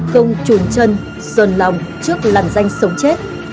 công trùn chân sườn lòng trước làn danh sống chết